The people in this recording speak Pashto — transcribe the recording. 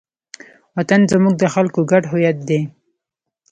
وطن زموږ د خلکو ګډ هویت دی.